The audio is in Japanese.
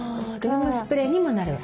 ルームスプレーにもなる。